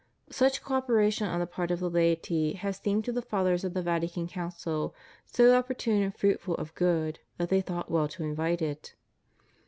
Such co operation on the part of the laity has seemed to the Fathers of the Vatican Council so opportune and fruitful of good that they thought well to invite it.